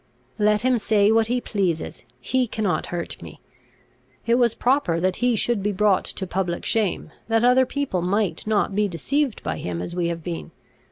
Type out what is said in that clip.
Let him say what he pleases; he cannot hurt me. It was proper that he should be brought to public shame, that other people might not be deceived by him as we have been.